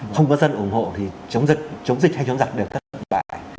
không có dân ủng hộ thì chống dịch hay chống giặc đều cần đồng lòng